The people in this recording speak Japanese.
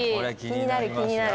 気になる気になる。